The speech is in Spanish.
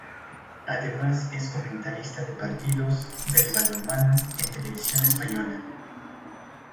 Además es comentarista de partidos de balonmano en Televisión Española.